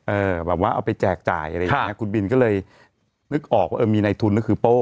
แบบว่าเอาไปแจกจ่ายอะไรอย่างเงี้คุณบินก็เลยนึกออกว่าเออมีในทุนก็คือโป้